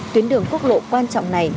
tuyến đường quốc lộ quan trọng này